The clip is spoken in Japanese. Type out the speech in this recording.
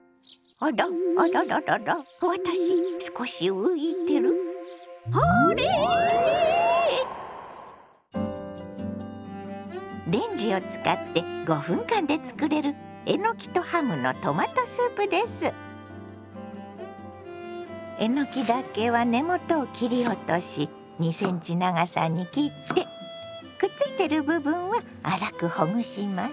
あれ⁉レンジを使って５分間で作れるえのきだけは根元を切り落とし２ｃｍ長さに切ってくっついてる部分を粗くほぐします。